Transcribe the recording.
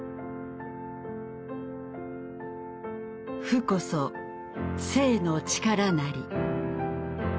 「負こそ正の力なり」。